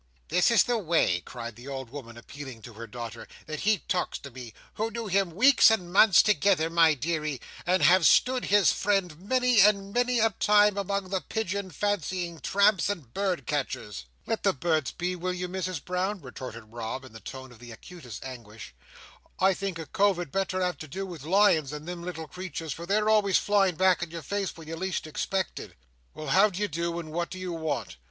"This is the way," cried the old woman, appealing to her daughter, "that he talks to me, who knew him weeks and months together, my deary, and have stood his friend many and many a time among the pigeon fancying tramps and bird catchers." "Let the birds be, will you, Misses Brown?" retorted Rob, in a tone of the acutest anguish. "I think a cove had better have to do with lions than them little creeturs, for they're always flying back in your face when you least expect it. Well, how d'ye do and what do you want?"